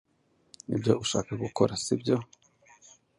Nibyo ushaka gukora, sibyo?